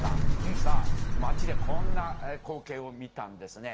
さあ、街でこんな光景を見たんですね。